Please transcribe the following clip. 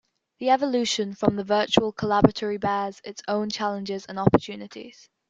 The evolution from the virtual collaboratory bears its own challenges and opportunities.